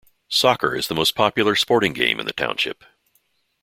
Soccer is the most popular sporting game in the township.